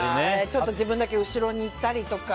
ちょっと自分だけ後ろに行ったりとか。